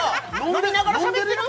飲みながらしゃべってる？